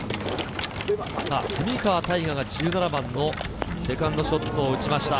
蝉川泰果が１７番のセカンドショットを打ちました。